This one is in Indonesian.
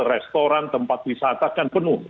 restoran tempat wisata kan penuh